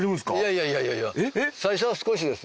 いやいやいやいや最初は少しですよ。